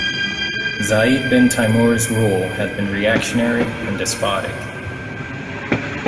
Said bin Taimur's rule had been reactionary and despotic.